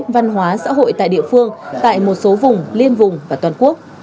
văn hóa xã hội tại địa phương tại một số vùng liên vùng và toàn quốc